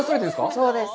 そうです。